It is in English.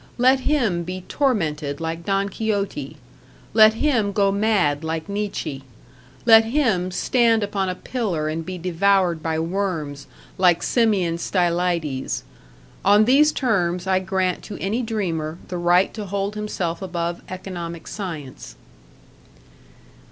Let him be tormented like Don Quixote; let him go mad like Nietzsche; let him stand upon a pillar and be devoured by worms like Simeon Stylites on these terms I grant to any dreamer the right to hold himself above economic science.